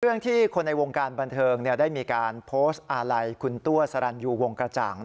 ที่คนในวงการบันเทิงได้มีการโพสต์อาลัยคุณตัวสรรยูวงกระจ่าง